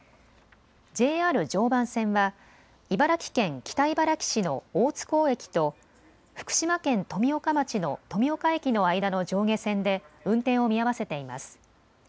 ＪＲ常磐線は茨城県北茨城市の大津港駅と福島県富岡町の富岡駅の間の上下線で運転を見合わせています。